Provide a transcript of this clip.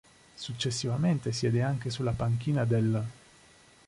Successivamente siede anche sulla panchina dell'.